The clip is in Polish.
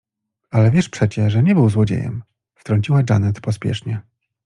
— Ale wiesz przecie, że nie był złodziejem — wtrąciła Janet pospiesznie.